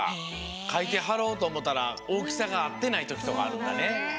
かいてはろうとおもたらおおきさがあってないときとかあるからね。